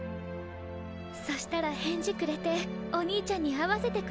そしたら返事くれてお兄ちゃんに会わせてくれるって。